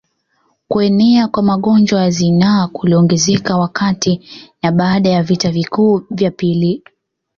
Kuenea kwa magonjwa ya zinaa kuliongezeka wakati na baada ya vita vikuu vya pili